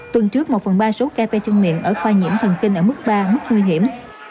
tuần trước một phần ba số ca tay chân miệng ở khoa nhiễm thần kinh ở mức ba mức nguy hiểm